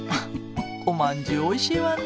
おまんじゅうおいしいわね。